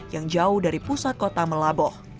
yang jauh dari pusat kota melaboh